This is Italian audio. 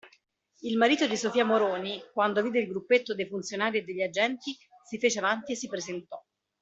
Il marito di Sofia Moroni, quando vide il gruppetto dei funzionari e degli agenti, si fece avanti e si presentò.